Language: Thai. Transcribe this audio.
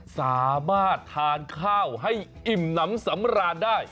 สามารถทานข้าวให้อิ่มน้ำสำราญได้